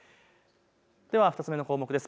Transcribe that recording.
では２つ目の項目です。